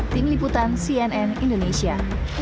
tim liputan cnn indonesia